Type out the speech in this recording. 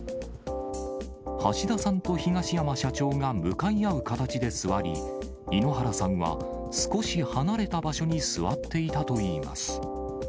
橋田さんと東山社長が向かい合う形で座り、井ノ原さんは少し離れた場所に座っていたといいます。